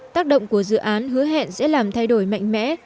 tác động của dự án hứa hẹn sẽ làm thay đổi mạnh mẽ